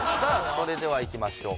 それではいきましょう